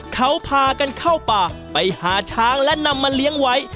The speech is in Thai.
เขาพากันเข้าป่าไปหาช้างและนำมาเลี้ยงไว้